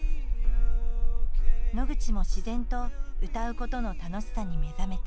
野口も自然と歌うことの楽しさに目覚めた。